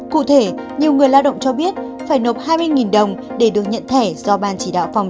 cụ thể nhiều người lao động cho biết phải nộp hai mươi đồng để được nhận thẻ do ban chỉ đạo phòng